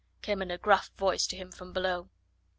came in a gruff voice to him from below.